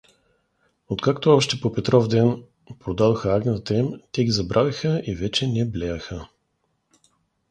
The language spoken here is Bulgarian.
Откато още по Петровден продадоха агнетата им, те ги забравиха и вече не блеяха.